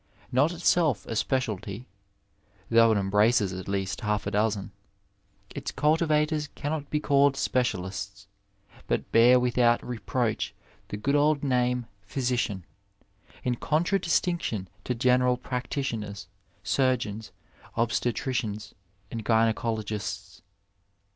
Not itself a specialty (though it embraces at least half a dozen), its cultivators cannot be called specialists, but bear without reproach the good old name phjrsician, in contradistinction to general practitioners, surgeons, obstetricians, and gynfficologists.